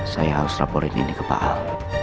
saya harus raporin ini ke pak al